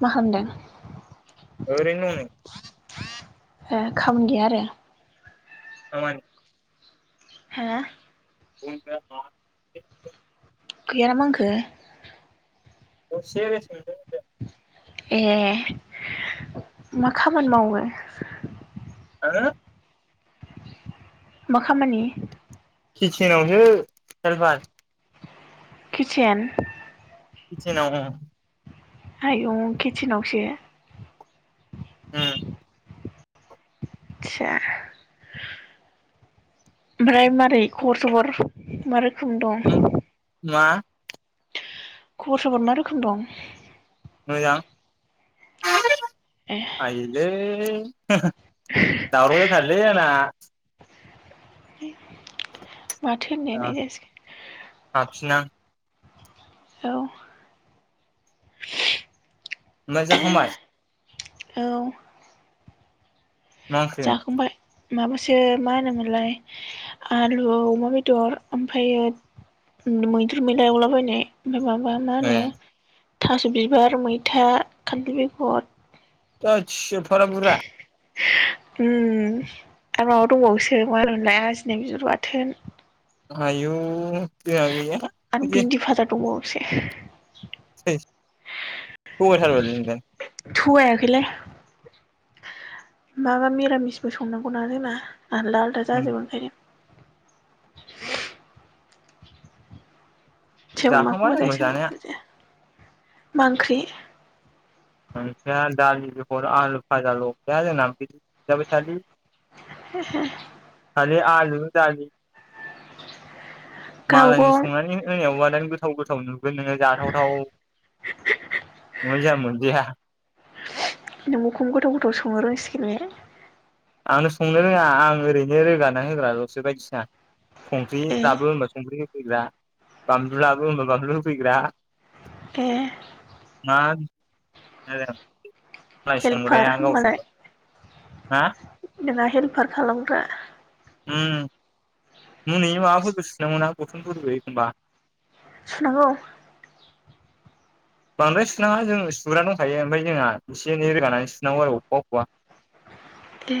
मा खालामदों? ओरैनो दङो खामानि गैया आरो [unintelligible] [unintelligible] बुं [unintelligible] [unintelligible] दसे दसेनो [unintelligible] ए मा खामानि मावो आङो मा खामानि किटचनावसो हेलफार किचेन किचेनाव [unintelligible] आय किचोनावसो [unintelligible] आदसा ओमफ्राय मारै खरबर सबर मा रोखोम दं? मा खबर सबर मा रोखोम दं? मोजां ए आयलै दावराव जाथारोलै आं ना माथो होननायालाय जायासै हाबफिनां औ ओंखाम जाखांबाय औ मा ओंख्रि जाखांबाय माबासो मा होनोमोनलाय आलु अमा बेदर ओमफ्रायो मैदुर मैला एवला बायनाय ओमफ्राय माबा मा ए होनो थास' बिबार मैथा खानथाल बेगद [unintelligible] एफाग्राब बुरजा [unintelligible] आरो माबा दंबावोसो मा होनो मोनलाया आजिनाय बिबार बाथोन आयौ जोंहा गैया आरो बिन्दि भाजा दंबावोसो थोदस थगायथारबायलै नोंदेन थगायाखैलै माबा मिरामिसबो संनांगौना जोंना आलदा आलदा जाजोबो ओंखायनो सोरबा जाखांबाय माखौबा जायो आंबो सोरबा जानाया माखौबा जाया मा ओंख्रि? ओमफ्राय [unintelligible] आलु फाजाल' बे जोंना बिदि जाबाय थायालै [unintelligible] आलु दालि [unintelligible] [unintelligible] बानो गावबागाव गोथाव गोथाव नुगोन नोंङो जाथावथाव नुनाय जायामोन नोंखौनो गोथाव गोथाव संनो रोंसिगोनल आंनो संनो रोङां आं ओरैनो रोगान होग्राल'सो बायदिसिना संख्रि ए लाबो हबा संख्रि होफैग्रा बानलु लाबो हबा बानलु होफैग्रा ए मा माइ हेल्पार संग्राया गाव संग्रा हा नोंना हेल्पार खालामग्रा मै माबाफोरबो सोनांगौा बुथोनफोरबो एखनबा सुनांगौ बांद्राय सुनाङा जों सुग्रा दंखायो ओमफ्राय जोंहा एसे एनै रोगानानै सुनांगौ आरो अबेबा अबेबा [inaudible] दे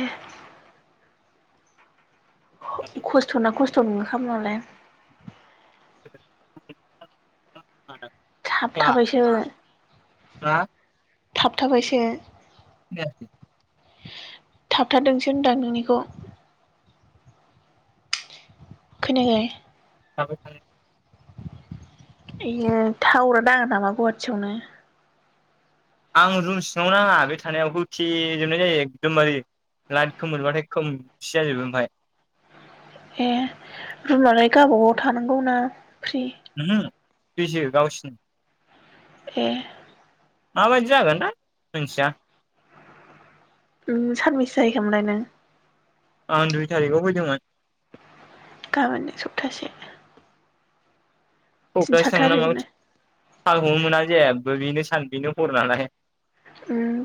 खस्थ'ना खस्थ' नंङोख नालाय आ थाबथाबायसो थाबथाबायसो गैया थाबथारादोंसो होनदां नोंनिखौ खोनाखाय आब बियो थावरा नांङा नामा गुवाहाटियावनो आं रुम सिङांवनो नाङा बे थानायाव खिजोबनाय जायो एकदमबारे लाट खोमोरबाथाय खोमसि जाजोबो ओमफफ्राय ए रुनानै गावब गाव थानांगौ ना हा बेस गावसिनि ए माबायदि जागोन दा मिथिया उम सारभिस जाहैखामलाय नों आं दुइ थारिखाव फैदोंमोन गाबोननो सप्तासे थिन क'क्राझ सात थांनो ना माबा थारिखनो हाल हमनो मोना जेबो बेनो सान बेनो हर नालाय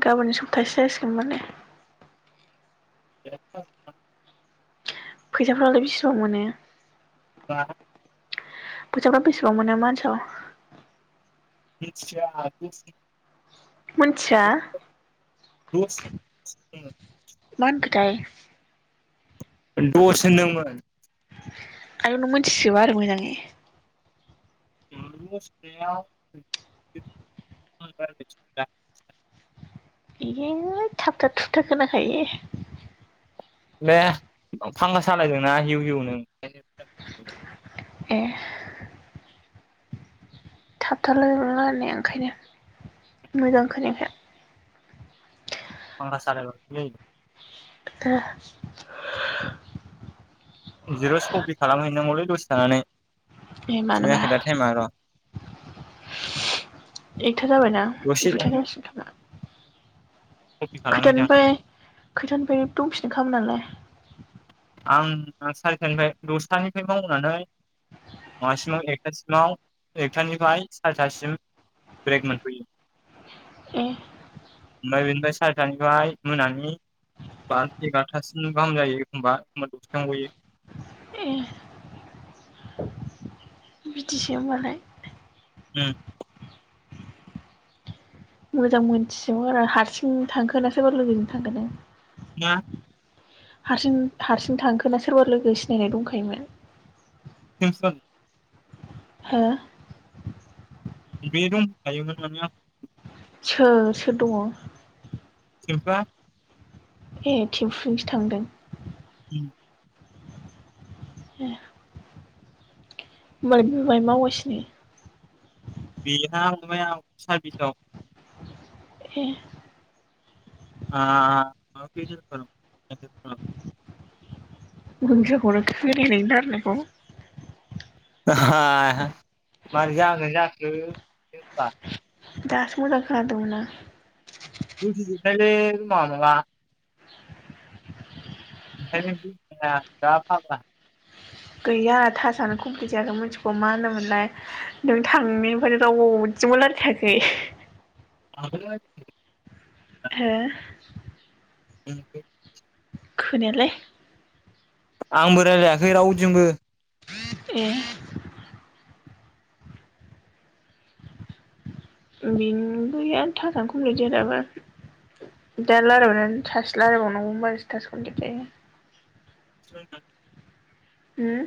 गाबोन सप्तासे जासिगोन मान ने [unintelligible] फैसाफोरालाय बेसेबां मोनो होम फैसाफ्रा बेसेबां मोनो मानसि [unintelligible] [unintelligible] मोनथिया दस मान गथायाय दस होनदोंमोन [unintelligible] [unintelligible] [unintelligible] बेयो थाबथाब थुबथा खोनाखायो बे फांखाा सालायदोंना हिउ हिउ ए थाबथारलायोबलानाया ओंखायनो मोजांखौ खाय फांगा सारायै [unintelligible] [unintelligible] जिर'सो कपि खालामहैनांगौलै लस थानानै ए मानोबा [inaudible] दाथायाइ मार' एकथा जाबायना दसे जुइथा जसिगोन खोमा। कपि खालामहैसां खैथानिफ्राय खोथानिफ्राय दंफिनो खामोन नालाय आं सारिथानिफ्राय दसथानिफ्राय मावनानै मासिमाव एकथासिमाव एकथानिफ्राय सारिथासिम ब्रेक मोनफैयो। ए ओमफ्राय बेनिफ्राय सारिथानिफ्राय मोनानि बा एगार'थासिम गाहाम जायो एखमबा एखबा दुसखांबोयो ए बिदिसो होमबालाय उम मोजां मोनथिजोबागारा हारसिं थांखोनासै बारा लोगोजों थांगोन। मा हारसिं हारसिं थांखोना सोरबा लोगो सिनायनाय दंखायोमोन। [inaudible] हो बे दंफा जायोमोन [inaudible] सोर सोर दङ। खायफा ए थिमपुजोंसो थांदों। [inaudible] [inaudible] होनोमबालाय बिबो बाहायनो मावगासिनो बेहा माबायाव सारभिसाव ए आ [unintelligible] [inaudible] हा मार जानोन जाखो दासो मोजां खोनादोंमोनां जाल मावाबा ज गैया थासानो कमप्लिट जायाखै मिथिगौ मा होनोमोनलाय नों थांनायफ्रायनो राव [inaudible] [inaudible] हो [inaudible] खोनायालै आंबो राय्लायाखै रावजोंबो। ए बिनिबो आरो थाजानो खमफलिट जाया दाबो दा लायलायबाव सासे रायलायबावनांगौ होनबो थास कमप्लिट जायो। [inaudible] होम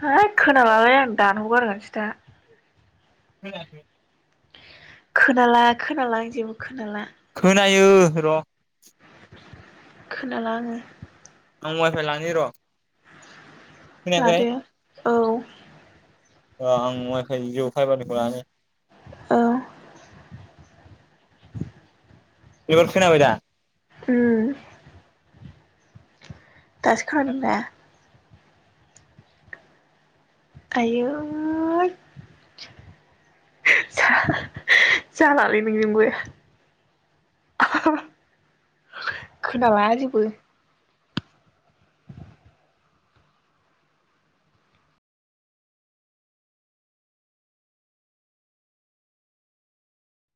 है खोनाबलाय आं दानहरगारगोनसो दा [inaudible] खोनाला खोनाला आं जेबो खोनाला खोनायो र' खोनाला आङो। आं वाइफाइ लांनि र' खोनायाखै लादो औ आं अवाइ फाइ जिअ फाइभारनिखौ लानानै औ एबार खोनाबाय दा उम दासो खोनादों दा आयै जालालै नोंजोंबो खोनाला जेबो ज [unintelligible]